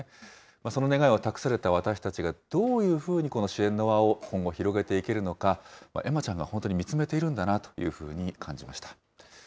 その願いを託された私たちがどういうふうにこの支援の輪を今後広げていけるのか、恵麻ちゃんが本当に見つめているんだなというふうに感じました。